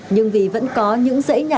nhưng vì vẫn có những dãy nhỏ